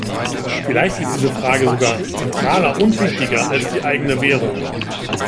Vielleicht ist diese Frage sogar zentraler und wichtiger als die eigene Währung.